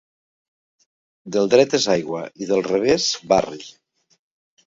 Del dret és aigua i del revés barri.